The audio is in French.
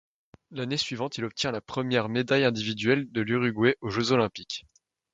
L'année suivante, il obtient la première médaille individuelle de l'Uruguay aux Jeux olympiques.